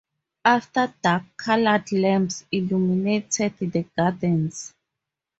After dark, colored lamps illuminated the gardens.